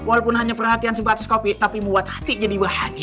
walaupun hanya perhatian sebatas kopi tapi buat hati jadi bahagia